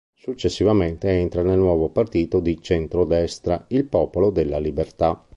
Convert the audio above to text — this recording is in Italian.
Successivamente entra nel nuovo partito di centrodestra, il Popolo della Libertà.